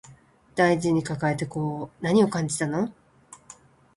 大事に抱えてこう何を感じたの